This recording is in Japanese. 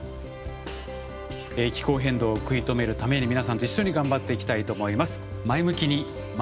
気候変動を食い止めるために皆さんと一緒に頑張っていきたいと思います。